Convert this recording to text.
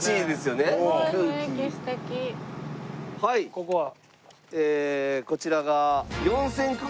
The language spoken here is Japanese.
ここは？こちらが。